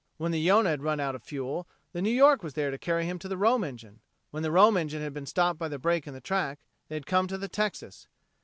When the Yonah had run out of fuel, the New York was there to carry him to the Rome engine. When the Rome engine had been stopped by the break in the track, they had come to the Texas.